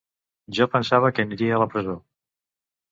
Jo pensava que aniria a la presó.